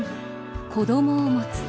「子どもを持つ」。